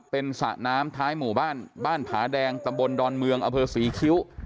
เป็นสระน้ำท้ายหมู่บ้านบ้านผาแดงตำบลดอนเมืองอเภอศรีคิ้ว